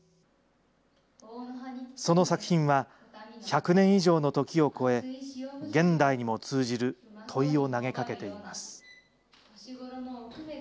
その作品は、１００年以上のときを超え、現代にも通じる問いを投げかけています。